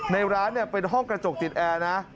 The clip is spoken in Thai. ในร้านเป็นห้องกระจกติดแอร์นะ